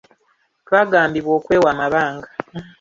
Twagambibwa okwewa amanga.